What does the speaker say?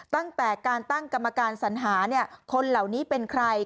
ตั้งแต่การตั้งกรรมการสัญหาคนเหล่านี้เป็นใคร